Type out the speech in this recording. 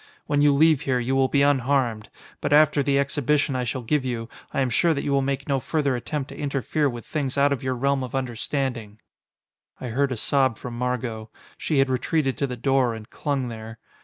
When you leave here, you will be unharmed but after the exhibition I shall give you, I am sure that you will make no further attempt to interfere with things out of your realm of understanding." I heard a sob from Margot. She had retreated to the door, and clung there.